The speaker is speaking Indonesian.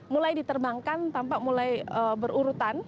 mulai diterbangkan tampak mulai berurutan